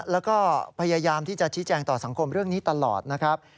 แล้วก็พยายามที่จะชี้แจงต่อสังคมเรื่องนี้ตลอดนะครับ